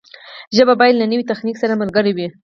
ژبه باید له نوي تخنیک سره ملګرې وي.